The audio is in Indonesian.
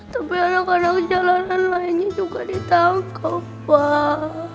tapi anak anak jalanan lainnya juga ditangkap wah